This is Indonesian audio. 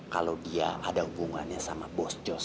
kalau dia ada hubungannya sama bos jos